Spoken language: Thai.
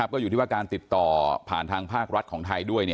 ก็อยู่ที่ว่าการติดต่อผ่านทางภาครัฐของไทยด้วย